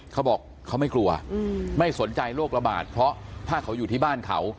เขาบอกเขาไม่กลัวไม่สนใจโรคระบาดเพราะถ้าเขาอยู่ที่บ้านเขา